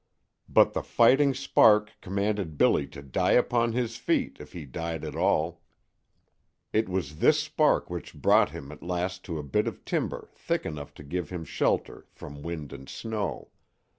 But the fighting spark commanded Billy to die upon his feet if he died at all. It was this spark which brought him at last to a bit of timber thick enough to give him shelter from wind and snow.